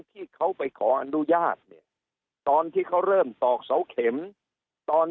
ที่เขาไปขออนุญาตเนี่ยตอนที่เขาเริ่มตอกเสาเข็มตอน